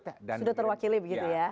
sudah terwakili begitu ya